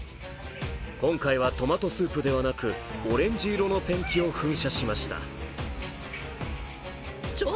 今回はトマトスープではなくオレンジ色のペンキを噴射しました。